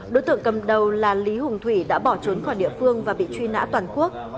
đối tượng cầm đầu là lý hùng thủy đã bỏ trốn khỏi địa phương và bị truy nã toàn quốc